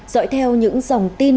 dõi theo những dòng tin